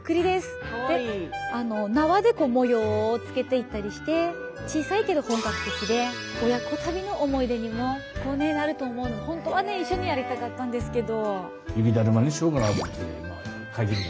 縄で模様をつけていったりして小さいけど本格的で親子旅の思い出にもなると思うので本当はね一緒にやりたかったんですけど。